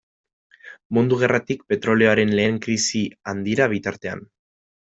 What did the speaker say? Mundu Gerratik petrolioaren lehen krisi handira bitartean.